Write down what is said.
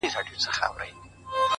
o هر وختي ته نـــژدې كـيــږي دا ـ